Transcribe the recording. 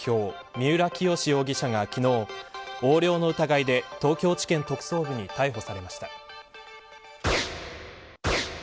三浦清志容疑者が昨日横領の疑いで東京地検特捜部に逮捕されました。